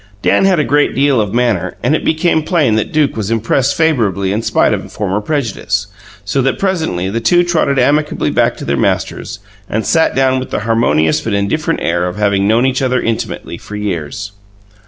Dan had a great deal of manner, and it became plain that Duke was impressed favourably in spite of former prejudice, so that presently the two trotted amicably back to their masters and sat down with the harmonious but indifferent air of having known each other intimately for years.